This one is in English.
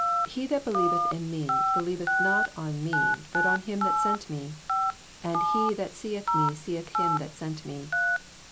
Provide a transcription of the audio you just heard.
He ttiat be lieyeth on me, believeth not on me, bat on him that sent me. 45 And he that Meth me seeth him that sent me.